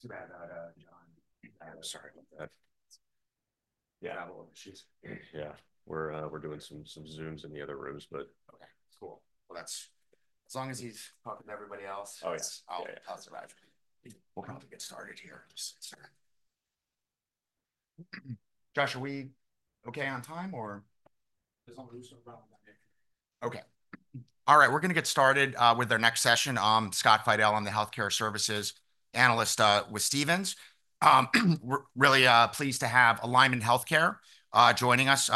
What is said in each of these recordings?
Too bad that, John, I'm sorry about that. Yeah. Travel issues. Yeah. We're doing some Zooms in the other rooms, but. Okay. Cool. Well, that's as long as he's talking to everybody else. Oh, yes. I'll survive. We'll probably get started here. Just. Sure. Josh, are we okay on time, or? There's no loose or round in that area. Okay. All right. We're gonna get started with our next session. I'm Scott Fidel. I'm the Healthcare Services Analyst with Stephens. Really pleased to have Alignment Healthcare joining us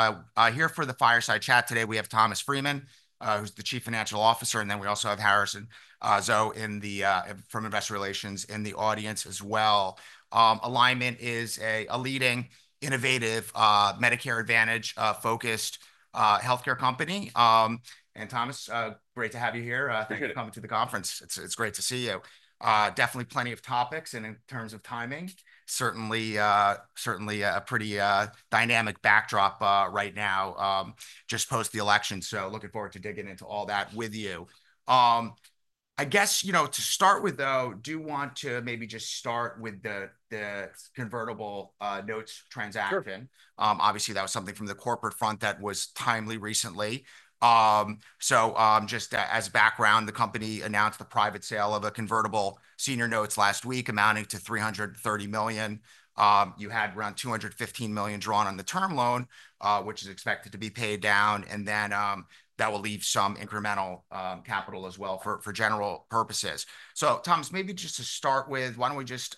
here for the fireside chat today. We have Thomas Freeman, who's the Chief Financial Officer, and then we also have Harrison Zhuo from Investor Relations in the audience as well. Alignment is a leading innovative Medicare Advantage focused healthcare company. And Thomas, great to have you here. Thank you for coming to the conference. It's great to see you. Definitely plenty of topics, and in terms of timing, certainly a pretty dynamic backdrop right now, just post the election. So looking forward to digging into all that with you. I guess, you know, to start with, though, do want to maybe just start with the convertible notes transaction. Sure. Obviously, that was something from the corporate front that was timely recently. Just, as background, the company announced the private sale of Convertible Senior Notes last week, amounting to $330 million. You had around $215 million drawn on the term loan, which is expected to be paid down. That will leave some incremental capital as well for general purposes. Thomas, maybe just to start with, why don't we just,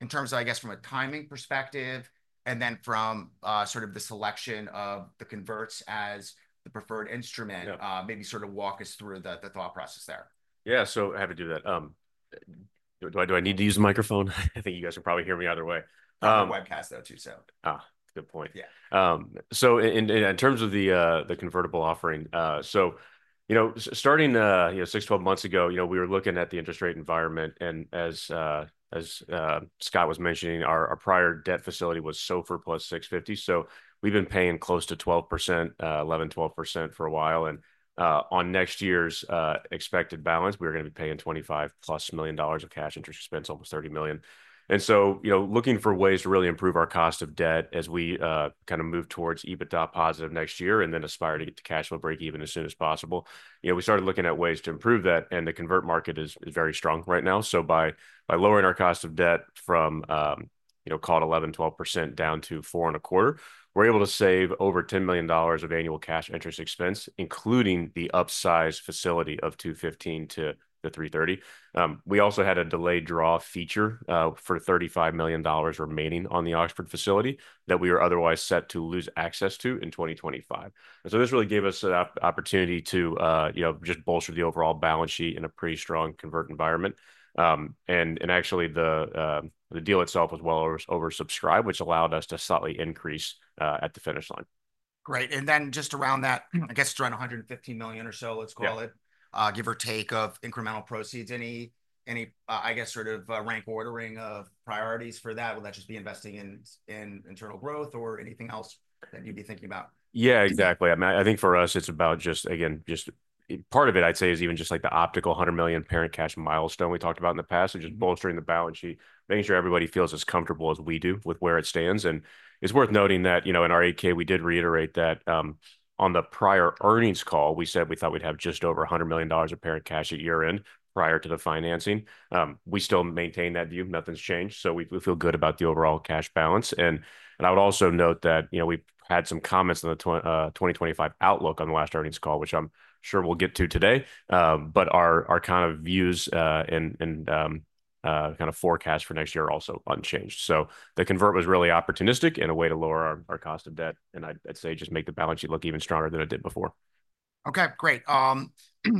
in terms of, I guess, from a timing perspective, and then from, sort of the selection of the converts as the preferred instrument. Yeah. Maybe sort of walk us through the thought process there. Yeah. So I have to do that. Do I, do I need to use a microphone? I think you guys are probably hearing me either way. We're on a webcast, though, too, so. good point. Yeah. In terms of the convertible offering, you know, starting 6 months-12 months ago, you know, we were looking at the interest rate environment, and as Scott was mentioning, our prior debt facility was SOFR plus 650. We've been paying close to 12%, 11%-12% for a while. On next year's expected balance, we were gonna be paying $25 million + of cash interest expense, almost $30 million. Looking for ways to really improve our cost of debt as we kind of move towards EBITDA positive next year and then aspire to get the cash flow break even as soon as possible, you know, we started looking at ways to improve that, and the convert market is very strong right now. By lowering our cost of debt from, you know, call it 11%-12% down to 4.25%, we're able to save over $10 million of annual cash interest expense, including the upsize facility of $215 million to the $330 million. We also had a delayed draw feature for $35 million remaining on the Oxford facility that we were otherwise set to lose access to in 2025. And so this really gave us an opportunity to, you know, just bolster the overall balance sheet in a pretty strong convert environment. And actually the deal itself was well oversubscribed, which allowed us to slightly increase at the finish line. Great. And then just around that, I guess, around 115 million or so, let's call it. Yeah. Give or take of incremental proceeds, any, I guess, sort of, rank ordering of priorities for that? Will that just be investing in internal growth or anything else that you'd be thinking about? Yeah, exactly. I mean, I think for us, it's about just, again, just part of it, I'd say, is even just like the actual $100 million parent cash milestone we talked about in the past, and just bolstering the balance sheet, making sure everybody feels as comfortable as we do with where it stands. And it's worth noting that, you know, in our 8-K, we did reiterate that, on the prior earnings call, we said we thought we'd have just over $100 million of parent cash at year-end prior to the financing. We still maintain that view. Nothing's changed. So we feel good about the overall cash balance. And I would also note that, you know, we had some comments on the 2025 outlook on the last earnings call, which I'm sure we'll get to today. but our kind of views and kind of forecast for next year are also unchanged, so the convert was really opportunistic in a way to lower our cost of debt, and I'd say just make the balance sheet look even stronger than it did before. Okay. Great. Well,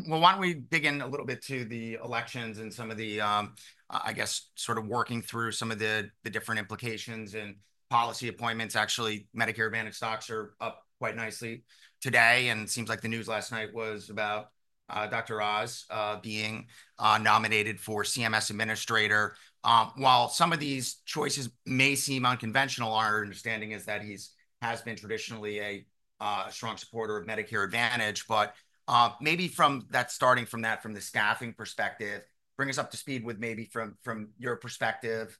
why don't we dig in a little bit to the elections and some of the, I guess, sort of working through some of the different implications and policy appointments. Actually, Medicare Advantage stocks are up quite nicely today. And it seems like the news last night was about Dr. Oz being nominated for CMS Administrator. While some of these choices may seem unconventional, our understanding is that he has been traditionally a strong supporter of Medicare Advantage. But maybe from that, starting from that, from the staffing perspective, bring us up to speed with maybe from your perspective,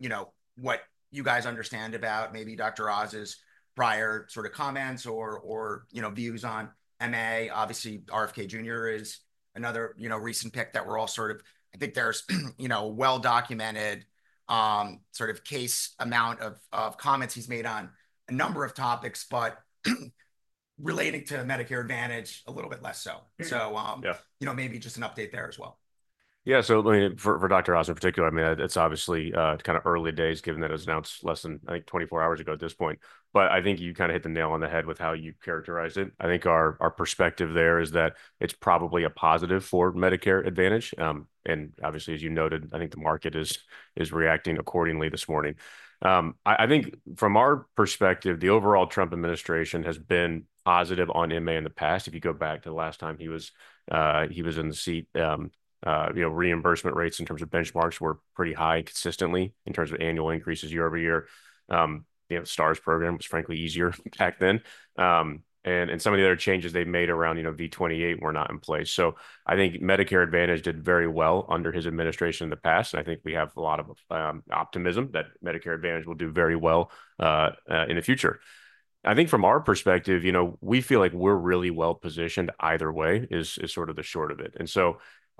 you know, what you guys understand about maybe Dr. Oz's prior sort of comments or, you know, views on MA. Obviously, RFK Jr. is another, you know, recent pick that we're all sort of, I think there's, you know, a well-documented, sort of case, amount of comments he's made on a number of topics, but relating to Medicare Advantage a little bit less so. So, Yeah. You know, maybe just an update there as well. Yeah. So I mean, for Dr. Oz in particular, I mean, it's obviously kind of early days, given that it was announced less than, I think, 24 hours ago at this point. But I think you kind of hit the nail on the head with how you characterized it. I think our perspective there is that it's probably a positive for Medicare Advantage and obviously, as you noted, I think the market is reacting accordingly this morning. I think from our perspective, the overall Trump administration has been positive on MA in the past. If you go back to the last time he was in the seat, you know, reimbursement rates in terms of benchmarks were pretty high consistently in terms of annual increases year over year. You know, the Stars program was frankly easier back then. Some of the other changes they've made around, you know, V28 were not in place. I think Medicare Advantage did very well under his administration in the past. I think we have a lot of optimism that Medicare Advantage will do very well in the future. I think from our perspective, you know, we feel like we're really well positioned either way. It is sort of the short of it. And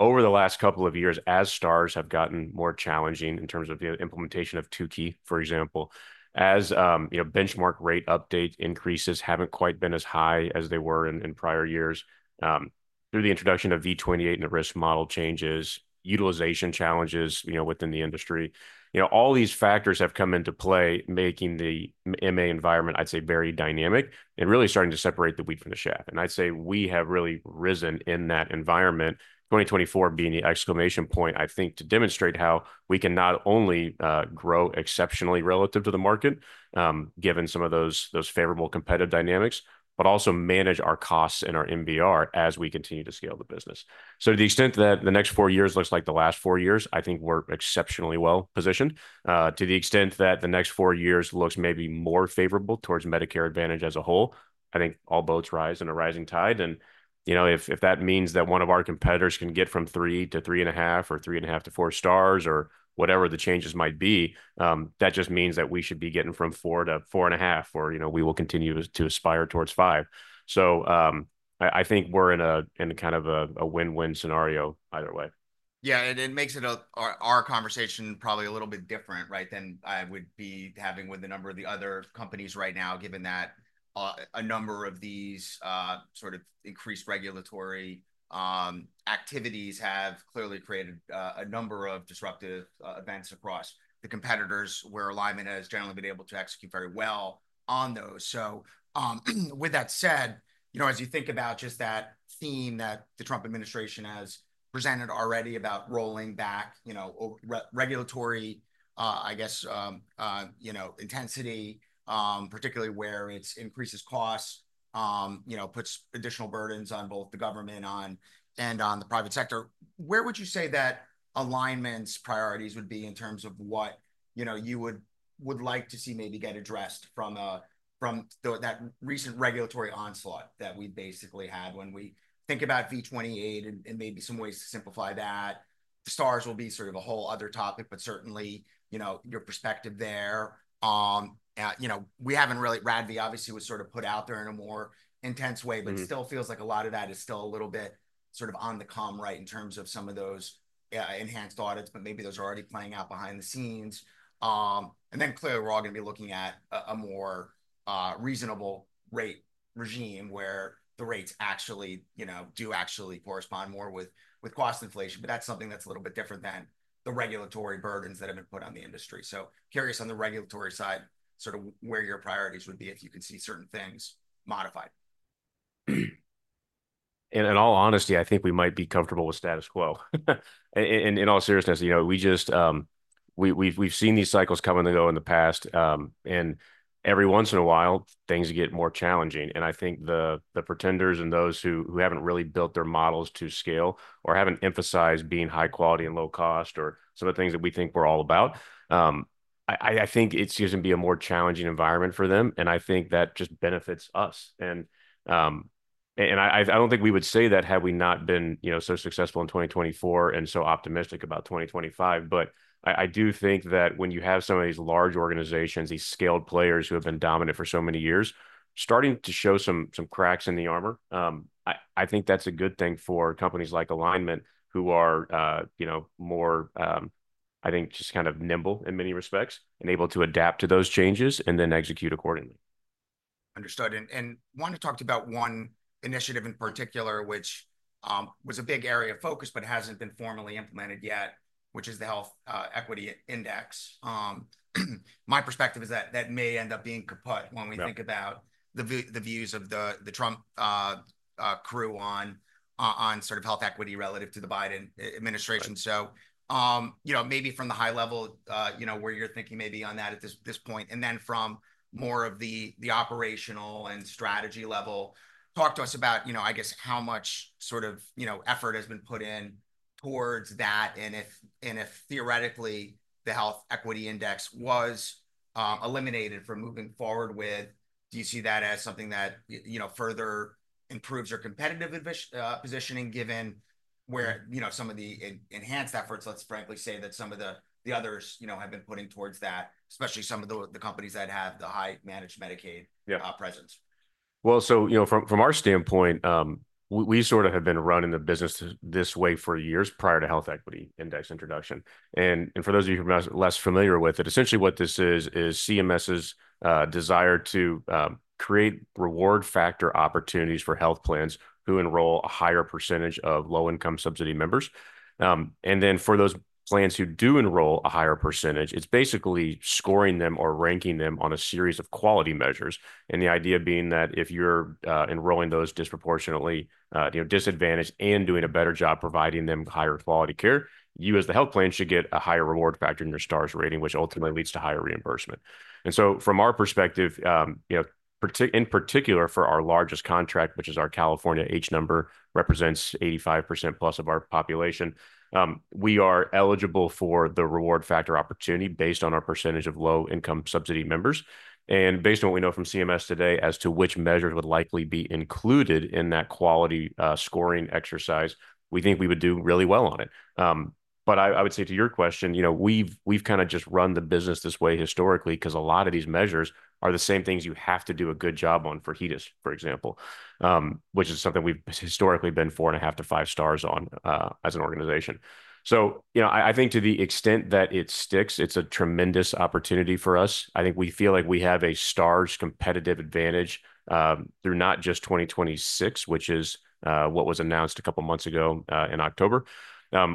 so over the last couple of years, as Stars have gotten more challenging in terms of the implementation of Tukey, for example, as you know, benchmark rate update increases haven't quite been as high as they were in prior years, through the introduction of V28 and the risk model changes, utilization challenges, you know, within the industry, you know, all these factors have come into play, making the MA environment, I'd say, very dynamic and really starting to separate the wheat from the chaff. And I'd say we have really risen in that environment, 2024 being the exclamation point, I think, to demonstrate how we can not only grow exceptionally relative to the market, given some of those favorable competitive dynamics, but also manage our costs and our MBR as we continue to scale the business. So to the extent that the next four years looks like the last four years, I think we're exceptionally well positioned, to the extent that the next four years looks maybe more favorable towards Medicare Advantage as a whole. I think all boats rise in a rising tide. And, you know, if that means that one of our competitors can get from three to three and a half or three and a half to four Stars or whatever the changes might be, that just means that we should be getting from four to four and a half or, you know, we will continue to aspire towards five. So, I think we're in a kind of a win-win scenario either way. Yeah, and it makes our conversation probably a little bit different, right, than I would be having with a number of the other companies right now, given that a number of these sort of increased regulatory activities have clearly created a number of disruptive events across the competitors where Alignment has generally been able to execute very well on those. So, with that said, you know, as you think about just that theme that the Trump administration has presented already about rolling back, you know, re-regulatory, I guess, you know, intensity, particularly where it increases costs, you know, puts additional burdens on both the government and on the private sector, where would you say that Alignment's priorities would be in terms of what, you know, you would like to see maybe get addressed from the, that recent regulatory onslaught that we basically had when we think about V28 and maybe some ways to simplify that? Stars will be sort of a whole other topic, but certainly, you know, your perspective there. You know, we haven't really RADV, obviously, was sort of put out there in a more intense way, but it still feels like a lot of that is still a little bit sort of on the calm, right, in terms of some of those enhanced audits, but maybe those are already playing out behind the scenes, and then clearly we're all gonna be looking at a more reasonable rate regime where the rates actually, you know, do actually correspond more with cost inflation. But that's something that's a little bit different than the regulatory burdens that have been put on the industry, so curious on the regulatory side, sort of where your priorities would be if you can see certain things modified. In all honesty, I think we might be comfortable with status quo. And in all seriousness, you know, we just, we've seen these cycles come and go in the past. And every once in a while, things get more challenging. And I think the pretenders and those who haven't really built their models to scale or haven't emphasized being high quality and low cost or some of the things that we think we're all about, I think it seems to be a more challenging environment for them. And I think that just benefits us. And I don't think we would say that had we not been, you know, so successful in 2024 and so optimistic about 2025. But I do think that when you have some of these large organizations, these scaled players who have been dominant for so many years, starting to show some cracks in the armor, I think that's a good thing for companies like Alignment who are, you know, more, I think just kind of nimble in many respects and able to adapt to those changes and then execute accordingly. Understood. And one talked about one initiative in particular, which was a big area of focus but hasn't been formally implemented yet, which is the Health Equity Index. My perspective is that that may end up being kaput when we think about the views of the Trump crew on sort of health equity relative to the Biden administration. So, you know, maybe from the high level, you know, where you're thinking maybe on that at this point, and then from more of the operational and strategy level, talk to us about, you know, I guess how much sort of, you know, effort has been put in towards that. And if theoretically the Health Equity Index was eliminated from moving forward with, do you see that as something that, you know, further improves your competitive envision, positioning given where, you know, some of the enhanced efforts, let's frankly say that some of the others, you know, have been putting towards that, especially some of the companies that have the high managed Medicaid? Yeah. presence. You know, from our standpoint, we sort of have been running the business this way for years prior to Health Equity Index introduction. And for those of you who are less familiar with it, essentially what this is is CMS's desire to create reward factor opportunities for health plans who enroll a higher percentage of Low-Income Subsidy members. And then for those plans who do enroll a higher percentage, it's basically scoring them or ranking them on a series of quality measures. And the idea being that if you're enrolling those disproportionately, you know, disadvantaged and doing a better job providing them higher quality care, you as the health plan should get a higher reward factor in your Star Ratings, which ultimately leads to higher reimbursement. From our perspective, you know, in particular for our largest contract, which is our California H number, represents 85% plus of our population, we are eligible for the reward factor opportunity based on our percentage of Low-Income Subsidy members. Based on what we know from CMS today as to which measures would likely be included in that quality scoring exercise, we think we would do really well on it. I would say to your question, you know, we've kind of just run the business this way historically because a lot of these measures are the same things you have to do a good job on for HEDIS, for example, which is something we've historically been four and a half to five Stars on, as an organization. I think to the extent that it sticks, it's a tremendous opportunity for us. I think we feel like we have a Stars competitive advantage through not just 2026, which is what was announced a couple months ago, in October.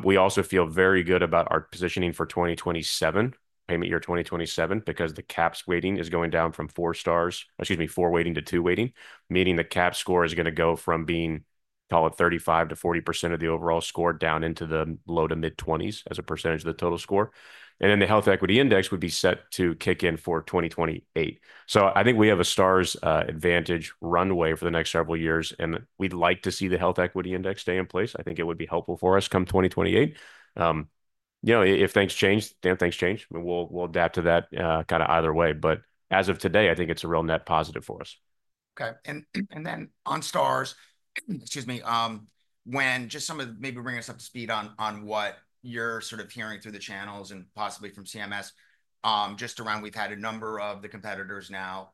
We also feel very good about our positioning for 2027, payment year 2027, because the CAHPS weighting is going down from four Stars, excuse me, four weighting to two weighting, meaning the cap score is gonna go from being, call it 35%-40% of the overall score down into the low to mid twenties as a percentage of the total score, and then the health equity index would be set to kick in for 2028, so I think we have a Stars advantage runway for the next several years, and we'd like to see the health equity index stay in place. I think it would be helpful for us come 2028. You know, if things change, damn things change, we'll, we'll adapt to that, kind of either way, but as of today, I think it's a real net positive for us. Okay. And then on Stars, excuse me, maybe bringing us up to speed on what you're sort of hearing through the channels and possibly from CMS, just around, we've had a number of the competitors now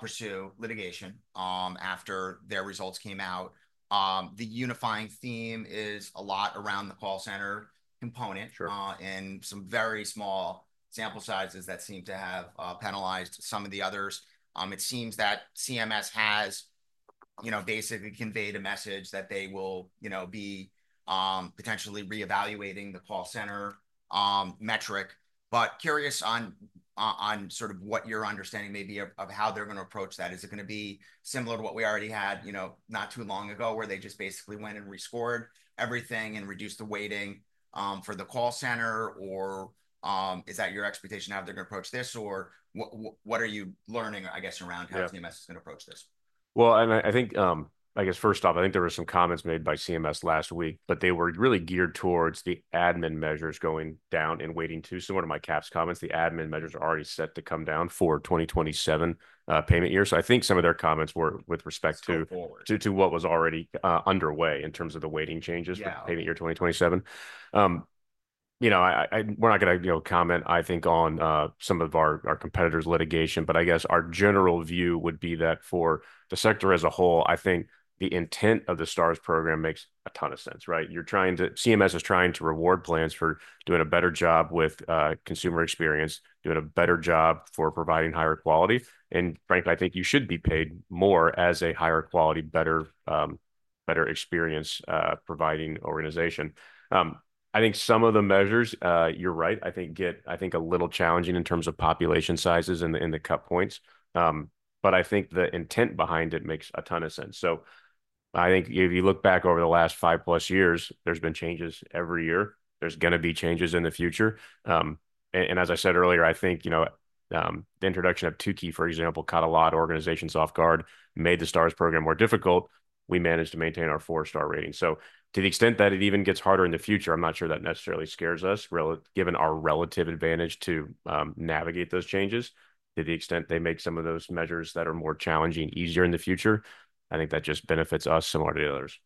pursue litigation after their results came out. The unifying theme is a lot around the call center component. Sure. And some very small sample sizes that seem to have penalized some of the others. It seems that CMS has, you know, basically conveyed a message that they will, you know, be potentially reevaluating the call center metric. But curious on sort of what your understanding may be of how they're gonna approach that. Is it gonna be similar to what we already had, you know, not too long ago where they just basically went and rescored everything and reduced the weighting for the call center? Or is that your expectation how they're gonna approach this? Or what are you learning, I guess, around how CMS is gonna approach this? Well, and I think, I guess first off, I think there were some comments made by CMS last week, but they were really geared towards the admin measures going down in weighting too. So one of my CAHPS comments, the admin measures are already set to come down for 2027 payment year. So I think some of their comments were with respect to what was already underway in terms of the weighting changes for payment year 2027. You know, we're not gonna, you know, comment, I think, on some of our competitors' litigation, but I guess our general view would be that for the sector as a whole, I think the intent of the Stars program makes a ton of sense, right? You're trying to, CMS is trying to reward plans for doing a better job with consumer experience, doing a better job for providing higher quality. And frankly, I think you should be paid more as a higher quality, better, better experience, providing organization. I think some of the measures, you're right, I think get a little challenging in terms of population sizes and the cut points. But I think the intent behind it makes a ton of sense. So I think if you look back over the last five plus years, there's been changes every year. There's gonna be changes in the future. And as I said earlier, I think you know, the introduction of Tukey, for example, caught a lot of organizations off guard, made the Star Ratings program more difficult. We managed to maintain our four star rating. So, to the extent that it even gets harder in the future, I'm not sure that necessarily scares us, given our relative advantage to navigate those changes to the extent they make some of those measures that are more challenging easier in the future. I think that just benefits us similar to the others.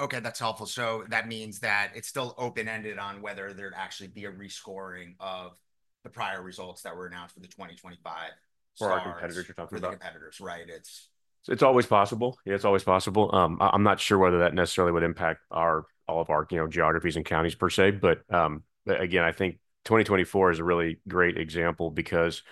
Okay. That's helpful. So that means that it's still open-ended on whether there'd actually be a rescoring of the prior results that were announced for the 2025. For our competitors, you're talking about. For the competitors, right? It's. It's always possible. Yeah, it's always possible. I'm not sure whether that necessarily would impact our, all of our, you know, geographies and counties per se. Again, I think 2024 is a really great example because,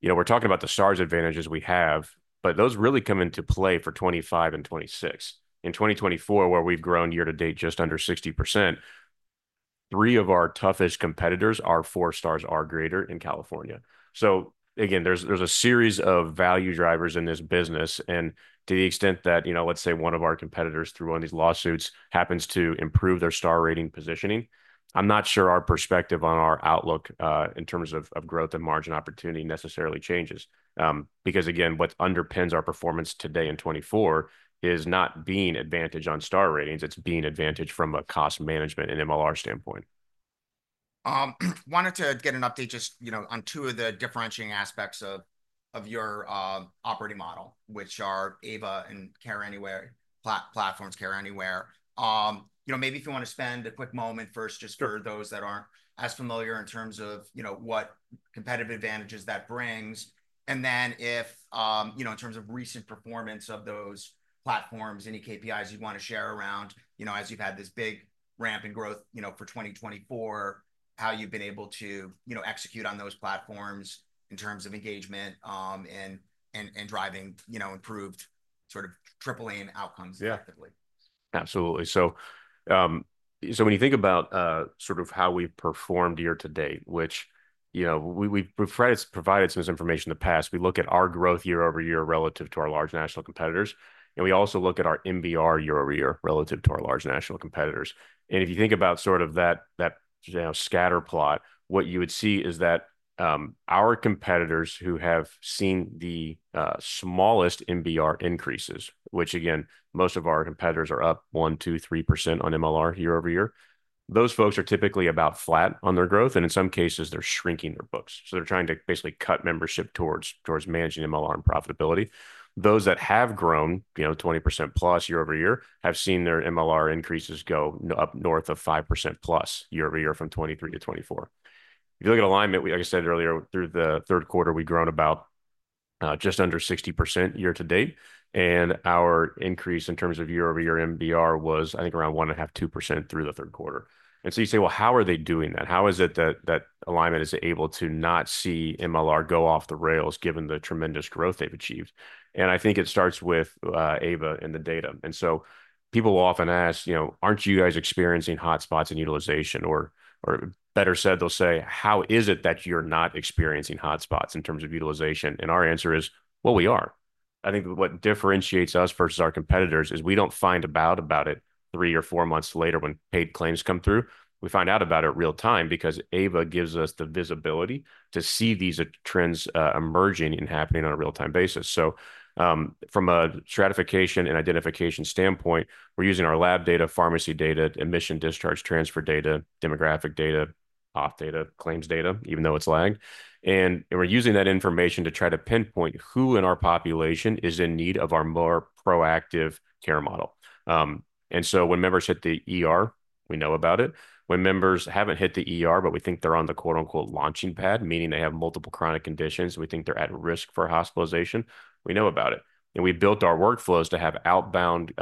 you know, we're talking about the Star advantages we have, but those really come into play for 2025 and 2026. In 2024, where we've grown year to date just under 60%, three of our toughest competitors. Our four Stars are greater in California. Again, there's a series of value drivers in this business. And to the extent that, you know, let's say one of our competitors through one of these lawsuits happens to improve their Star rating positioning, I'm not sure our perspective on our outlook, in terms of, of growth and margin opportunity necessarily changes. Because again, what underpins our performance today in 2024 is not having an advantage on Star Ratings. It's having an advantage from a cost management and MLR standpoint. Wanted to get an update just, you know, on two of the differentiating aspects of your operating model, which are Ava and Care Anywhere platforms. Care Anywhere. You know, maybe if you wanna spend a quick moment first, just for those that aren't as familiar in terms of, you know, what competitive advantages that brings. And then if, you know, in terms of recent performance of those platforms, any KPIs you'd wanna share around, you know, as you've had this big ramp in growth, you know, for 2024, how you've been able to, you know, execute on those platforms in terms of engagement, and driving, you know, improved sort of tripling outcomes effectively. Yeah. Absolutely. So when you think about, sort of how we've performed year to date, which, you know, we've provided some information in the past. We look at our growth year over year relative to our large national competitors. And we also look at our MBR year over year relative to our large national competitors. And if you think about sort of that, you know, scatter plot, what you would see is that our competitors who have seen the smallest MBR increases, which again, most of our competitors are up one, two, three% on MLR year over year, those folks are typically about flat on their growth. And in some cases, they're shrinking their books. So they're trying to basically cut membership towards managing MLR and profitability. Those that have grown, you know, 20% plus year over year have seen their MLR increases go up north of 5% plus year over year from 2023 to 2024. If you look at Alignment, we, like I said earlier, through the third quarter, we've grown about, just under 60% year to date. And our increase in terms of year over year MBR was, I think, around one and a half, 2% through the third quarter. And so you say, well, how are they doing that? How is it that, that Alignment is able to not see MLR go off the rails given the tremendous growth they've achieved? And I think it starts with, Ava and the data. And so people will often ask, you know, aren't you guys experiencing hotspots in utilization? Or, or better said, they'll say, how is it that you're not experiencing hotspots in terms of utilization? And our answer is, well, we are. I think what differentiates us versus our competitors is we don't find about it three or four months later when paid claims come through. We find out about it real time because Ava gives us the visibility to see these trends, emerging and happening on a real-time basis. So, from a stratification and identification standpoint, we're using our lab data, pharmacy data, admission, discharge, transfer data, demographic data, auth data, claims data, even though it's lagged. And we're using that information to try to pinpoint who in our population is in need of our more proactive care model. And so when members hit the we know about it. When members haven't hit the but we think they're on the quote unquote launching pad, meaning they have multiple chronic conditions and we think they're at risk for hospitalization, we know about it. We built our workflows to have outbound,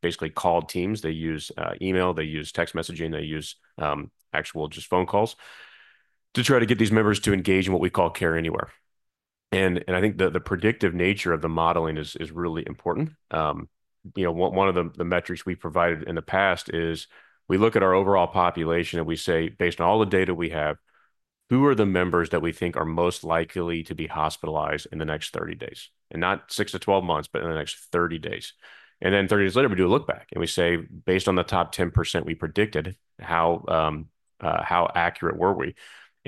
basically called teams. They use email, they use text messaging, they use actual just phone calls to try to get these members to engage in what we call Care Anywhere. And I think the predictive nature of the modeling is really important. You know, one of the metrics we provided in the past is we look at our overall population and we say, based on all the data we have, who are the members that we think are most likely to be hospitalized in the next 30 days? And not six to 12 months, but in the next 30 days. And then 30 days later, we do a look back and we say, based on the top 10% we predicted, how accurate were we?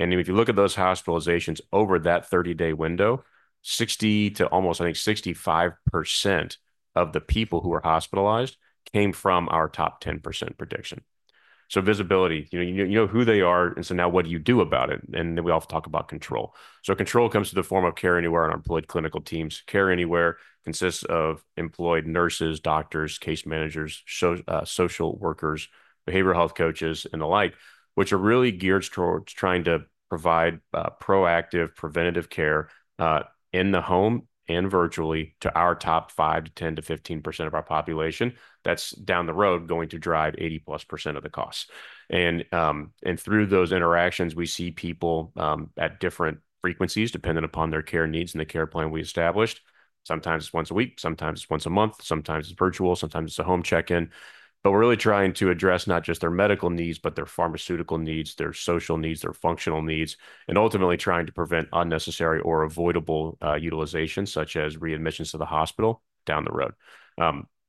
If you look at those hospitalizations over that 30-day window, 60% to almost, I think, 65% of the people who were hospitalized came from our top 10% prediction. So visibility, you know, you, you know who they are. And so now what do you do about it? And then we also talk about control. So control comes to the form of Care Anywhere and employed clinical teams. Care Anywhere consists of employed nurses, doctors, case managers, social workers, behavioral health coaches, and the like, which are really geared towards trying to provide proactive preventative care, in the home and virtually to our top five, 10%-15% of our population. That's down the road going to drive 80-plus% of the costs. And through those interactions, we see people at different frequencies depending upon their care needs and the care plan we established. Sometimes it's once a week, sometimes it's once a month, sometimes it's virtual, sometimes it's a home check-in. But we're really trying to address not just their medical needs, but their pharmaceutical needs, their social needs, their functional needs, and ultimately trying to prevent unnecessary or avoidable utilization such as readmissions to the hospital down the road.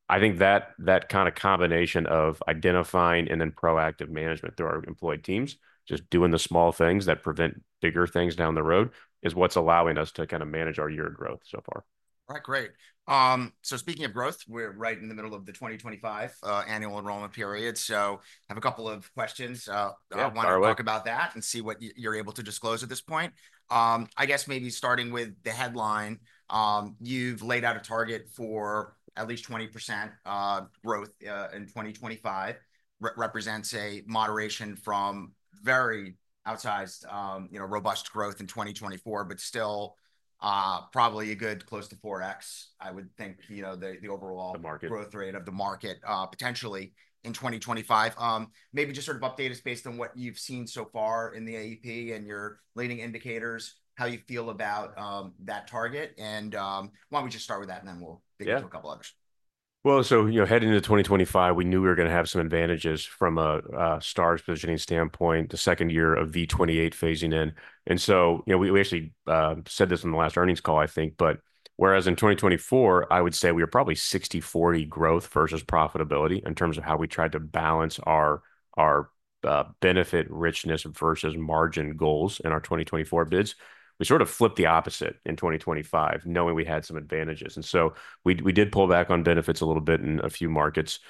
I think that, that kind of combination of identifying and then proactive management through our employed teams, just doing the small things that prevent bigger things down the road is what's allowing us to kind of manage our year of growth so far. All right. Great. So speaking of growth, we're right in the middle of the 2025 annual enrollment period. So I have a couple of questions. I wanna talk about that and see what you're able to disclose at this point. I guess maybe starting with the headline, you've laid out a target for at least 20% growth in 2025, represents a moderation from very outsized, you know, robust growth in 2024, but still, probably a good close to four X, I would think, you know, the overall growth rate of the market, potentially in 2025. Maybe just sort of update us based on what you've seen so far in the AEP and your leading indicators, how you feel about that target. And why don't we just start with that and then we'll dig into a couple others. You know, heading into 2025, we knew we were gonna have some advantages from a Stars positioning standpoint, the second year of V28 phasing in. You know, we actually said this in the last earnings call, I think, but whereas in 2024, I would say we were probably 60-40 growth versus profitability in terms of how we tried to balance our benefit richness versus margin goals in our 2024 bids. We sort of flipped the opposite in 2025, knowing we had some advantages. We did pull back on benefits a little bit in a few markets.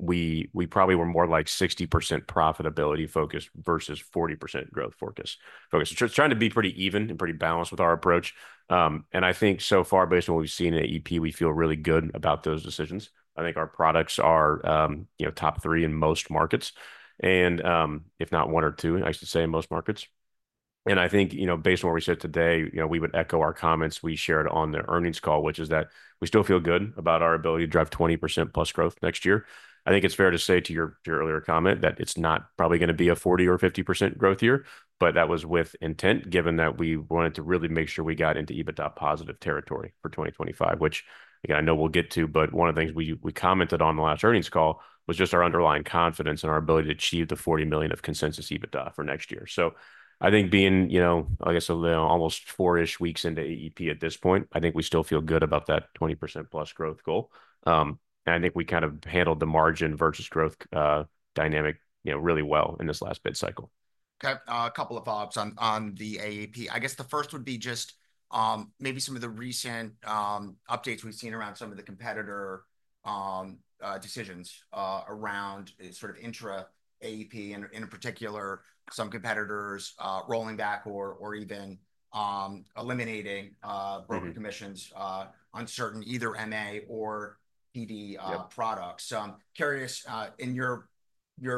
We probably were more like 60% profitability focus versus 40% growth focus. Trying to be pretty even and pretty balanced with our approach. And I think so far based on what we've seen in AEP, we feel really good about those decisions. I think our products are, you know, top three in most markets and, if not one or two, I should say in most markets. And I think, you know, based on what we said today, you know, we would echo our comments we shared on the earnings call, which is that we still feel good about our ability to drive 20% plus growth next year. I think it's fair to say to your earlier comment that it's not probably gonna be a 40% or 50% growth year, but that was with intent given that we wanted to really make sure we got into EBITDA positive territory for 2025, which again, I know we'll get to, but one of the things we commented on the last earnings call was just our underlying confidence in our ability to achieve the $40 million of consensus EBITDA for next year. So I think being, you know, I guess a little almost four-ish weeks into AEP at this point, I think we still feel good about that 20% plus growth goal. I think we kind of handled the margin versus growth dynamic, you know, really well in this last bid cycle. Okay. A couple of thoughts on the AEP. I guess the first would be just maybe some of the recent updates we've seen around some of the competitor decisions around sort of intra AEP and in particular some competitors rolling back or even eliminating broker commissions on certain either MA or PD products. Curious in your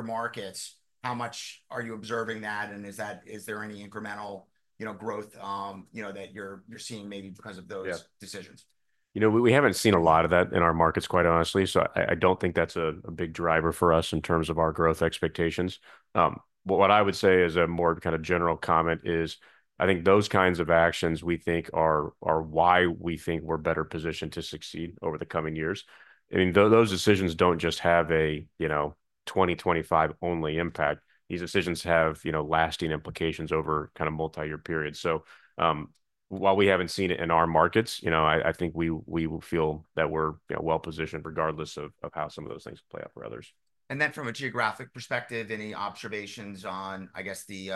markets how much are you observing that? And is there any incremental you know growth that you're seeing maybe because of those decisions? You know, we haven't seen a lot of that in our markets, quite honestly. So I don't think that's a big driver for us in terms of our growth expectations. What I would say as a more kind of general comment is I think those kinds of actions we think are why we think we're better positioned to succeed over the coming years. I mean, those decisions don't just have a, you know, 2025 only impact. These decisions have, you know, lasting implications over kind of multi-year period. So, while we haven't seen it in our markets, you know, I think we will feel that we're, you know, well positioned regardless of how some of those things play out for others. And then from a geographic perspective, any observations on, I guess, the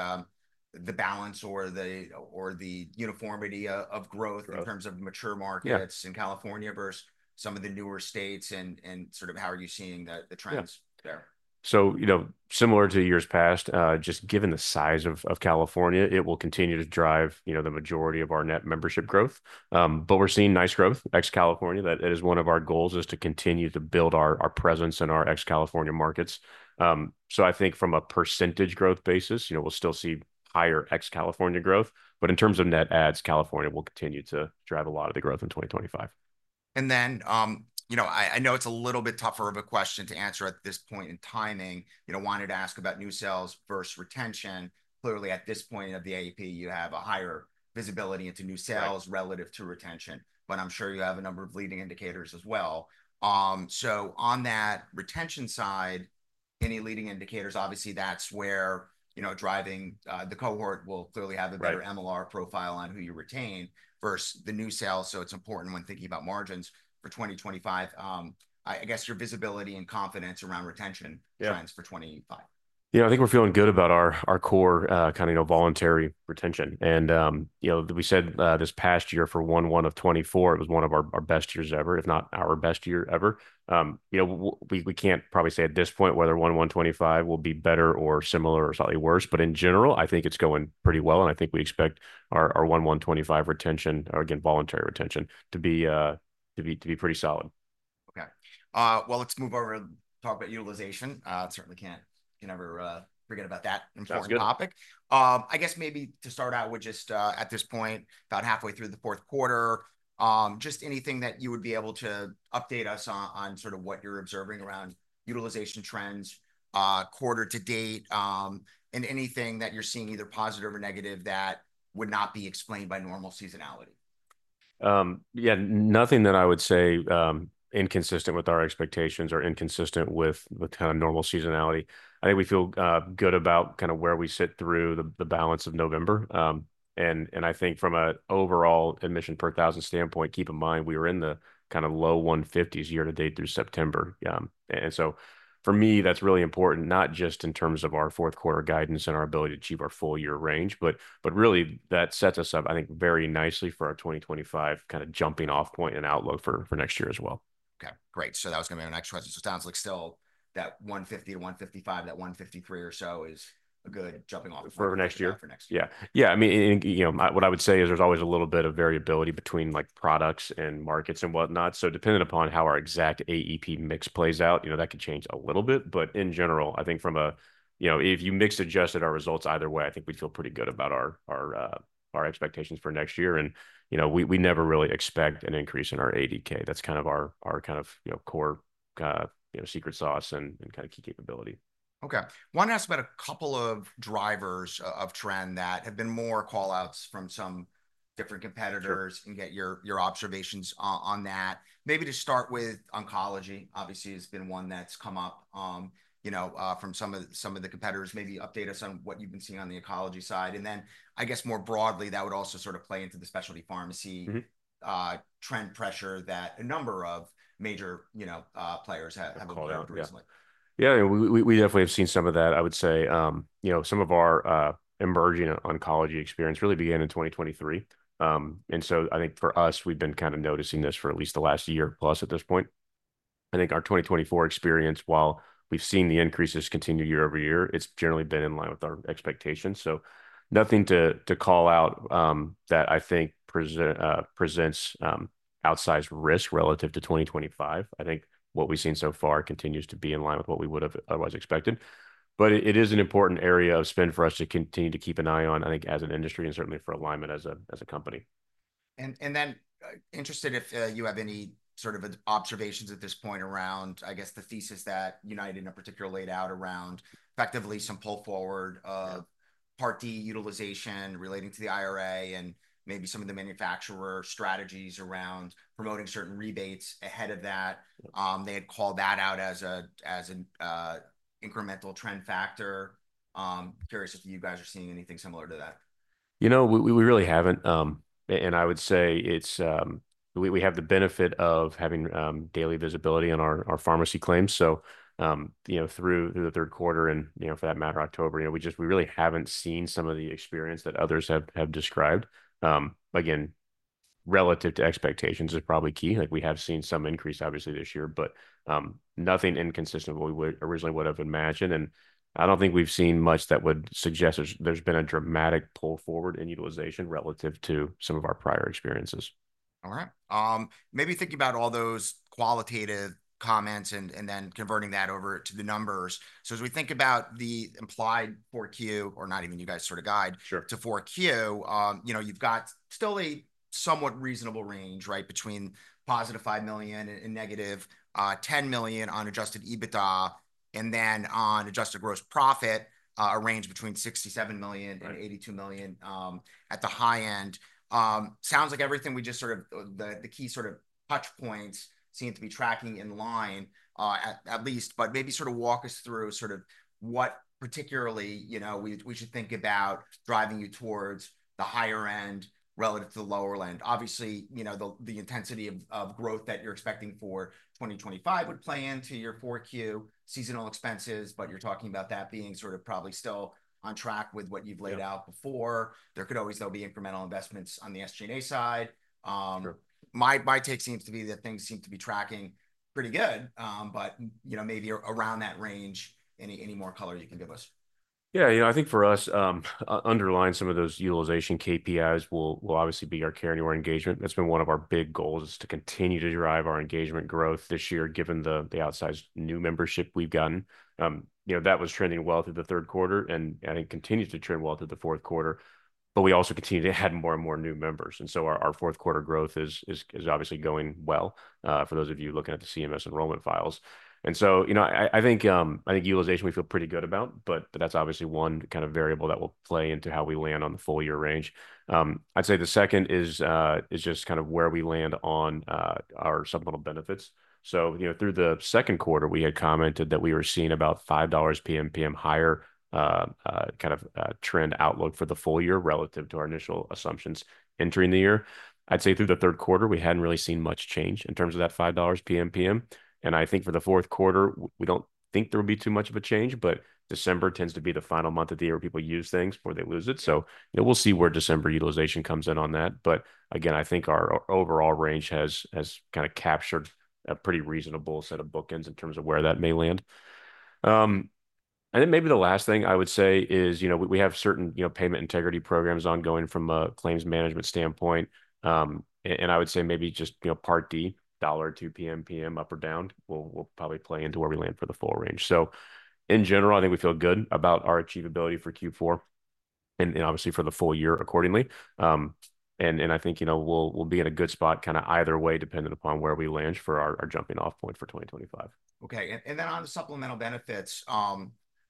balance or the uniformity of growth in terms of mature markets in California versus some of the newer states and sort of how are you seeing the trends there? So, you know, similar to years past, just given the size of California, it will continue to drive, you know, the majority of our net membership growth, but we're seeing nice growth ex California. That is one of our goals is to continue to build our presence in our ex California markets, so I think from a percentage growth basis, you know, we'll still see higher ex California growth, but in terms of net adds, California will continue to drive a lot of the growth in 2025. And then, you know, I know it's a little bit tougher of a question to answer at this point in timing, you know, wanted to ask about new sales versus retention. Clearly at this point of the AEP, you have a higher visibility into new sales relative to retention, but I'm sure you have a number of leading indicators as well. So on that retention side, any leading indicators, obviously that's where, you know, driving, the cohort will clearly have a better MLR profile on who you retain versus the new sales. So it's important when thinking about margins for 2025. I guess your visibility and confidence around retention trends for 2025. Yeah, I think we're feeling good about our core, kind of, you know, voluntary retention. And, you know, we said, this past year for Q1 of 2024, it was one of our best years ever, if not our best year ever. You know, we can't probably say at this point whether Q1 2025 will be better or similar or slightly worse, but in general, I think it's going pretty well. And I think we expect our Q1 2025 retention, or again, voluntary retention to be pretty solid. Okay. Well, let's move over and talk about utilization. Certainly can't, can never, forget about that important topic. I guess maybe to start out with just, at this point, about halfway through the fourth quarter, just anything that you would be able to update us on, on sort of what you're observing around utilization trends, quarter to date, and anything that you're seeing either positive or negative that would not be explained by normal seasonality. Yeah, nothing that I would say inconsistent with our expectations or inconsistent with kind of normal seasonality. I think we feel good about kind of where we sit through the balance of November. I think from an overall admissions per thousand standpoint, keep in mind we were in the kind of low 150s year to date through September. So for me, that's really important, not just in terms of our fourth quarter guidance and our ability to achieve our full year range, but really that sets us up, I think, very nicely for our 2025 kind of jumping off point and outlook for next year as well. Okay. Great. So that was gonna be our next question. So it sounds like still that 150-155, that 153 or so is a good jumping off point for next year. For next year. Yeah. Yeah. I mean, and you know, what I would say is there's always a little bit of variability between like products and markets and whatnot. So depending upon how our exact AEP mix plays out, you know, that could change a little bit. But in general, I think from a, you know, if you mix adjusted our results either way, I think we'd feel pretty good about our expectations for next year. And, you know, we never really expect an increase in our ADK. That's kind of our kind of, you know, core secret sauce and kind of key capability. Okay. Want to ask about a couple of drivers of trend that have been more callouts from some different competitors and get your observations on that. Maybe to start with oncology, obviously has been one that's come up, you know, from some of the competitors. Maybe update us on what you've been seeing on the oncology side. And then I guess more broadly, that would also sort of play into the specialty pharmacy trend pressure that a number of major, you know, players have called out recently. Yeah. We definitely have seen some of that, I would say, you know, some of our emerging oncology experience really began in 2023. And so I think for us, we've been kind of noticing this for at least the last year plus at this point. I think our 2024 experience, while we've seen the increases continue year over year, it's generally been in line with our expectations. So nothing to call out that I think presents outsized risk relative to 2025. I think what we've seen so far continues to be in line with what we would've otherwise expected, but it is an important area of spend for us to continue to keep an eye on, I think, as an industry and certainly for Alignment as a company. Interested if you have any sort of observations at this point around, I guess, the thesis that United in particular laid out around effectively some pull forward of Part D utilization relating to the IRA and maybe some of the manufacturer strategies around promoting certain rebates ahead of that. They had called that out as an incremental trend factor. Curious if you guys are seeing anything similar to that. You know, we really haven't, and I would say it's we have the benefit of having daily visibility on our pharmacy claims. So, you know, through the third quarter and, you know, for that matter, October, you know, we just really haven't seen some of the experience that others have described. Again, relative to expectations is probably key. Like we have seen some increase, obviously this year, but nothing inconsistent with what we would originally would've imagined. And I don't think we've seen much that would suggest there's been a dramatic pull forward in utilization relative to some of our prior experiences. All right. Maybe thinking about all those qualitative comments and then converting that over to the numbers. So as we think about the implied 4Q or not even you guys sort of guide to 4Q, you know, you've got still a somewhat reasonable range, right? Between +$5 million and -$10 million on Adjusted EBITDA and then on adjusted gross profit, a range between $67 million and $82 million, at the high end. Sounds like everything we just sort of, the key sort of touch points seem to be tracking in line, at least, but maybe sort of walk us through sort of what particularly, you know, we should think about driving you towards the higher end relative to the lower end. Obviously, you know, the intensity of growth that you're expecting for 2025 would play into your 4Q seasonal expenses, but you're talking about that being sort of probably still on track with what you've laid out before. There could always still be incremental investments on the SG&A side. My take seems to be that things seem to be tracking pretty good. But you know, maybe around that range, any more color you can give us. Yeah. You know, I think for us, underlying some of those utilization KPIs will obviously be our care and our engagement. That's been one of our big goals is to continue to drive our engagement growth this year, given the outsized new membership we've gotten. You know, that was trending well through the third quarter and I think continues to trend well through the fourth quarter, but we also continue to add more and more new members. And so our fourth quarter growth is obviously going well, for those of you looking at the CMS enrollment files. And so, you know, I think utilization we feel pretty good about, but that's obviously one kind of variable that will play into how we land on the full year range. I'd say the second is just kind of where we land on our supplemental benefits. So, you know, through the second quarter, we had commented that we were seeing about $5 PMPM higher, kind of, trend outlook for the full year relative to our initial assumptions entering the year. I'd say through the third quarter, we hadn't really seen much change in terms of that $5 PMPM. And I think for the fourth quarter, we don't think there would be too much of a change, but December tends to be the final month of the year where people use things before they lose it. So, you know, we'll see where December utilization comes in on that. But again, I think our overall range has kind of captured a pretty reasonable set of bookends in terms of where that may land. I think maybe the last thing I would say is, you know, we have certain, you know, payment integrity programs ongoing from a claims management standpoint. I would say maybe just, you know, Part D, $1 or $2 PMPM up or down will probably play into where we land for the full range. So in general, I think we feel good about our achievability for Q4 and obviously for the full year accordingly. I think, you know, we'll be in a good spot kind of either way, depending upon where we land for our jumping off point for 2025. Okay. And then on the supplemental benefits,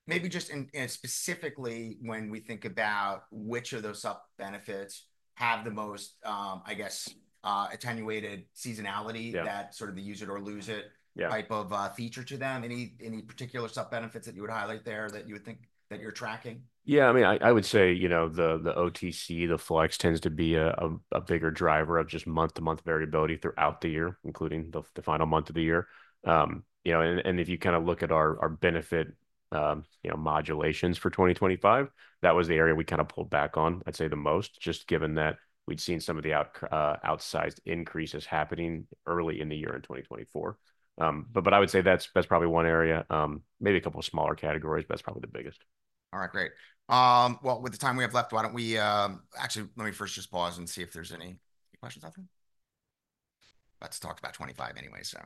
maybe just in specifically when we think about which of those sup benefits have the most, I guess, attenuated seasonality that sort of the use it or lose it type of feature to them. Any particular sup benefits that you would highlight there that you would think that you're tracking? Yeah. I mean, I would say, you know, the OTC, the flex tends to be a bigger driver of just month to month variability throughout the year, including the final month of the year. You know, and if you kind of look at our benefit, you know, modulations for 2025, that was the area we kind of pulled back on, I'd say the most, just given that we'd seen some of the outsized increases happening early in the year in 2024. But I would say that's probably one area, maybe a couple of smaller categories, but that's probably the biggest. All right. Great. Well, with the time we have left, why don't we, actually let me first just pause and see if there's any questions out there. Let's talk about 2025 anyway. So,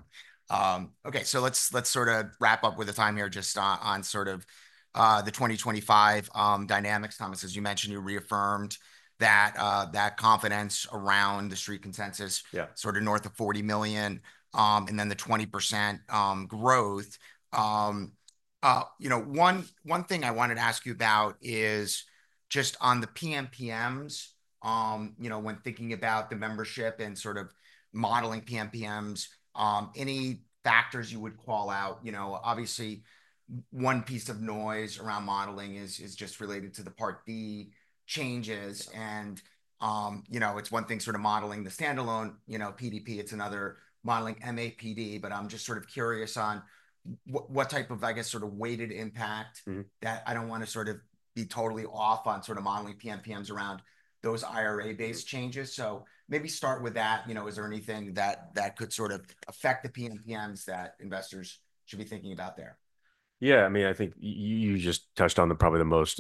okay. So let's, let's sort of wrap up with the time here just on, on sort of, the 2025 dynamics. Thomas, as you mentioned, you reaffirmed that, that confidence around the street consensus, yeah, sort of north of 40 million and then the 20% growth. You know, one, one thing I wanted to ask you about is just on the PMPMs, you know, when thinking about the membership and sort of modeling PMPMs, any factors you would call out, you know, obviously one piece of noise around modeling is, is just related to the Part D changes. You know, it's one thing sort of modeling the standalone, you know, PDP. It's another modeling MAPD, but I'm just sort of curious on what, what type of, I guess, sort of weighted impact that I don't wanna sort of be totally off on sort of modeling PMPMs around those IRA-based changes. So maybe start with that. You know, is there anything that, that could sort of affect the PMPMs that investors should be thinking about there? Yeah. I mean, I think you just touched on probably the most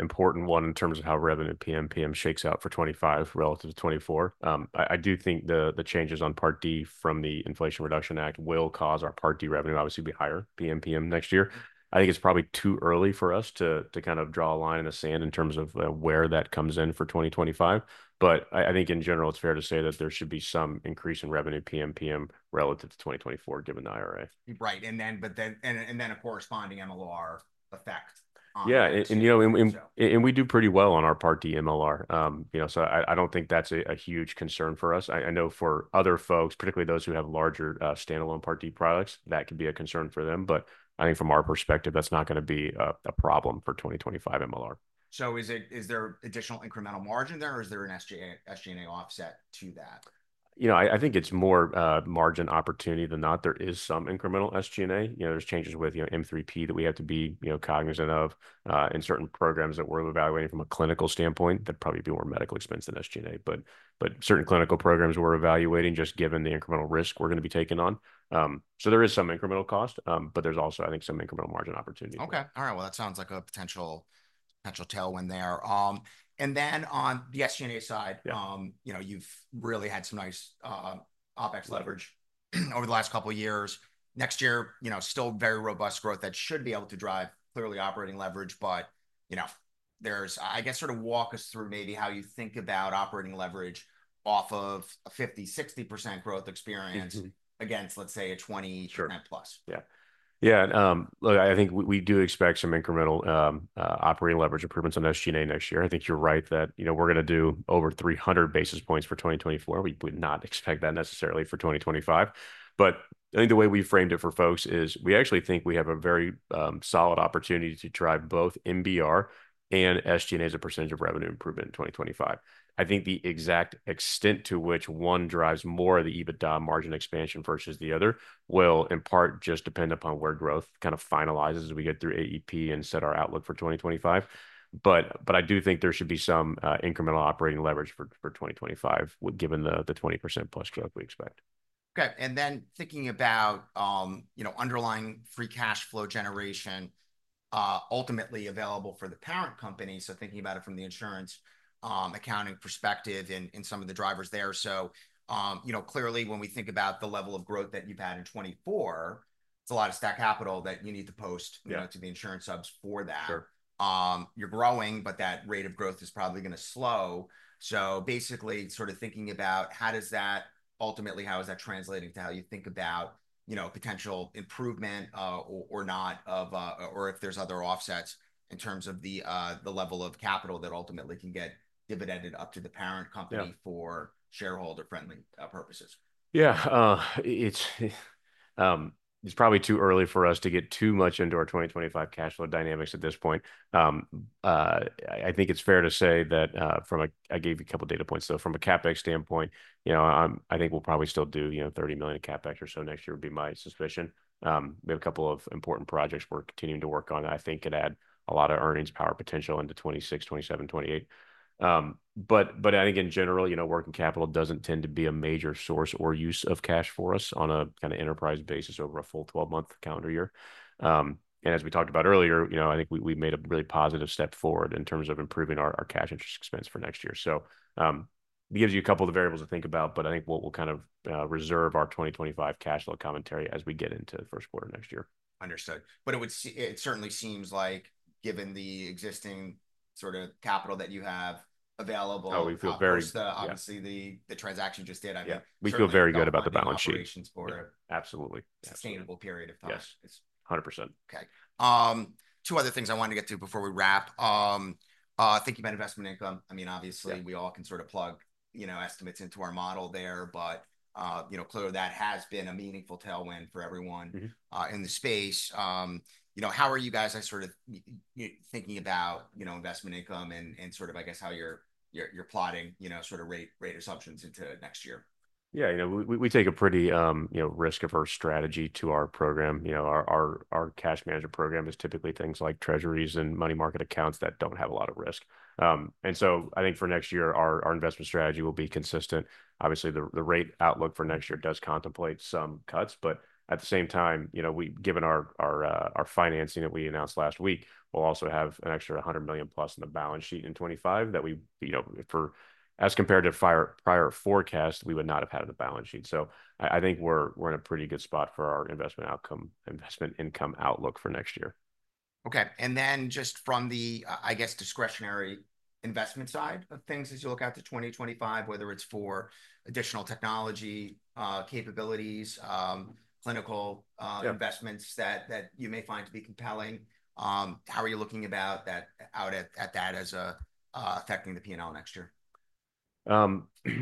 important one in terms of how revenue PMPM shakes out for 2025 relative to 2024. I do think the changes on Part D from the Inflation Reduction Act will cause our Part D revenue obviously to be higher PMPM next year. I think it's probably too early for us to kind of draw a line in the sand in terms of where that comes in for 2025. But I think in general, it's fair to say that there should be some increase in revenue PMPM relative to 2024 given the IRA. Right. And then a corresponding MLR effect. Yeah. And you know, we do pretty well on our Part D MLR, you know, so I don't think that's a huge concern for us. I know for other folks, particularly those who have larger, standalone Part D products, that could be a concern for them. But I think from our perspective, that's not gonna be a problem for 2025 MLR. So, is there additional incremental margin there or is there an SG&A, SG&A offset to that? You know, I, I think it's more margin opportunity than not. There is some incremental SG&A, you know, there's changes with, you know, M3P that we have to be, you know, cognizant of, in certain programs that we're evaluating from a clinical standpoint that probably be more medical expense than SG&A, but certain clinical programs we're evaluating just given the incremental risk we're gonna be taking on, so there is some incremental cost, but there's also, I think, some incremental margin opportunity. Okay. All right. Well, that sounds like a potential, potential tailwind there, and then on the SG&A side, you know, you've really had some nice OPEX leverage over the last couple of years. Next year, you know, still very robust growth that should be able to drive clearly operating leverage. But, you know, there's, I guess, sort of walk us through maybe how you think about operating leverage off of a 50%-60% growth experience against, let's say, a 20% plus. Yeah. Yeah. Look, I think we, we do expect some incremental, operating leverage improvements on SG&A next year. I think you're right that, you know, we're gonna do over 300 basis points for 2024. We, we would not expect that necessarily for 2025. But I think the way we framed it for folks is we actually think we have a very, solid opportunity to drive both MBR and SG&A as a percentage of revenue improvement in 2025. I think the exact extent to which one drives more of the EBITDA margin expansion versus the other will in part just depend upon where growth kind of finalizes as we get through AEP and set our outlook for 2025. But, but I do think there should be some, incremental operating leverage for, for 2025 given the, the 20% plus growth we expect. Okay. And then thinking about, you know, underlying free cash flow generation ultimately available for the parent company. So thinking about it from the insurance accounting perspective and some of the drivers there. So, you know, clearly when we think about the level of growth that you've had in 2024, it's a lot of stat capital that you need to post, you know, to the insurance subs for that. You're growing, but that rate of growth is probably gonna slow. So basically sort of thinking about how does that ultimately, how is that translating to how you think about, you know, potential improvement, or not, or if there's other offsets in terms of the level of capital that ultimately can get dividended up to the parent company for shareholder-friendly purposes. Yeah. It's probably too early for us to get too much into our 2025 cash flow dynamics at this point. I think it's fair to say that, from a, I gave you a couple of data points. So from a CapEx standpoint, you know, I'm, I think we'll probably still do, you know, $30 million CapEx or so next year would be my suspicion. We have a couple of important projects we're continuing to work on that I think can add a lot of earnings power potential into 26, 27, 28. But I think in general, you know, working capital doesn't tend to be a major source or use of cash for us on a kind of enterprise basis over a full 12-month calendar year. And as we talked about earlier, you know, I think we've made a really positive step forward in terms of improving our cash interest expense for next year. So, it gives you a couple of variables to think about, but I think what we'll kind of reserve our 2025 cash flow commentary as we get into the first quarter next year. Understood. But it would seem, it certainly seems like given the existing sort of capital that you have available. Oh, we feel very. Obviously the transaction just did. I think. We feel very good about the balance sheet. Absolutely. Sustainable period of time. Yes, 100%. Okay. Two other things I wanted to get to before we wrap. Thinking about investment income. I mean, obviously we all can sort of plug, you know, estimates into our model there, but, you know, clearly that has been a meaningful tailwind for everyone in the space. You know, how are you guys sort of thinking about, you know, investment income and sort of, I guess, how you're plotting, you know, sort of rate assumptions into next year? Yeah. You know, we take a pretty, you know, risk averse strategy to our program. You know, our cash management program is typically things like treasuries and money market accounts that don't have a lot of risk. And so I think for next year, our investment strategy will be consistent. Obviously, the rate outlook for next year does contemplate some cuts, but at the same time, you know, we, given our financing that we announced last week, we'll also have an extra hundred million plus in the balance sheet in 2025 that we, you know, for as compared to our prior forecast, we would not have had in the balance sheet. So I think we're in a pretty good spot for our investment outcome, investment income outlook for next year. Okay. And then just from the, I guess, discretionary investment side of things as you look out to 2025, whether it's for additional technology, capabilities, clinical, investments that you may find to be compelling. How are you looking about that out at that as affecting the P&L next year? You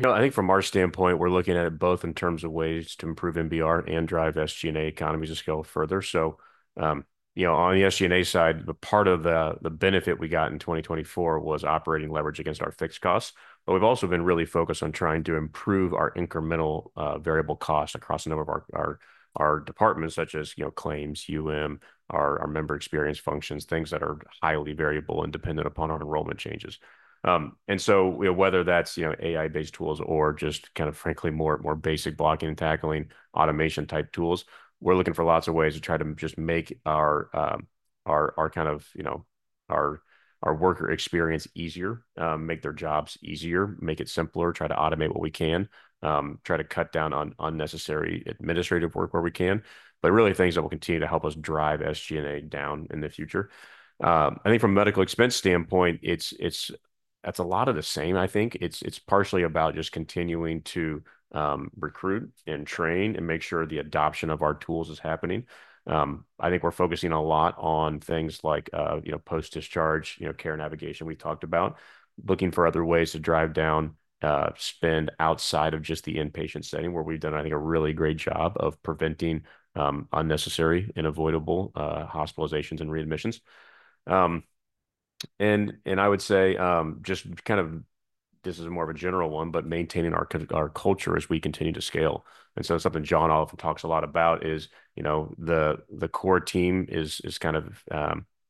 know, I think from our standpoint, we're looking at it both in terms of ways to improve MBR and drive SG&A economies of scale further. So, you know, on the SG&A side, the part of the benefit we got in 2024 was operating leverage against our fixed costs. But we've also been really focused on trying to improve our incremental, variable costs across a number of our departments, such as, you know, claims, our member experience functions, things that are highly variable and dependent upon our enrollment changes. And so, you know, whether that's, you know, AI-based tools or just kind of frankly more basic blocking and tackling automation type tools, we're looking for lots of ways to try to just make our worker experience easier, make their jobs easier, make it simpler, try to automate what we can, try to cut down on unnecessary administrative work where we can, but really things that will continue to help us drive SG&A down in the future. I think from a medical expense standpoint, it's that's a lot of the same. I think it's partially about just continuing to recruit and train and make sure the adoption of our tools is happening. I think we're focusing a lot on things like, you know, post-discharge, you know, care navigation we talked about, looking for other ways to drive down spend outside of just the inpatient setting where we've done, I think, a really great job of preventing unnecessary and avoidable hospitalizations and readmissions, and I would say, just kind of, this is more of a general one, but maintaining our culture as we continue to scale. Something John often talks a lot about is, you know, the core team is kind of,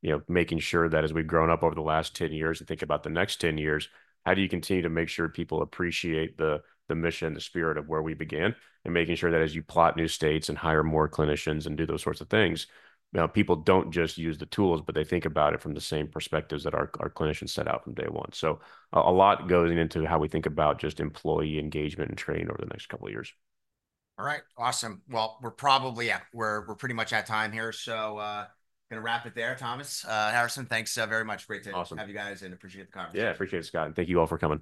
you know, making sure that as we've grown up over the last 10 years and think about the next 10 years, how do you continue to make sure people appreciate the mission, the spirit of where we began and making sure that as you plot new states and hire more clinicians and do those sorts of things, you know, people don't just use the tools, but they think about it from the same perspectives that our clinicians set out from day one, so a lot goes into how we think about just employee engagement and training over the next couple of years. All right. Awesome. Well, we're probably, we're pretty much at time here. So, gonna wrap it there, Thomas, Harrison. Thanks very much. Great to have you guys and appreciate the conversation. Yeah, appreciate it, Scott. And thank you all for coming.